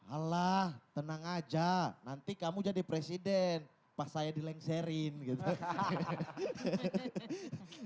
alah tenang aja nanti kamu jadi presiden pas saya dilengserin gitu